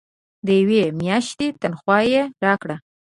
د یوې میاشتي تنخواه یې راکړه.